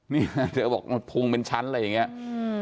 เนี่ยเธอบอกพุงเป็นชั้นอะไรอย่างเงี้ยอืม